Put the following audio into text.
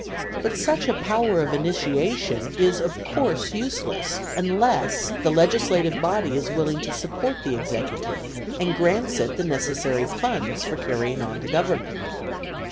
But such a power of initiation is of course useless unless the legislative body is willing to support the executive, and grants it the necessary funds for carrying on the government.